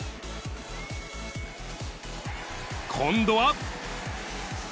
今度は。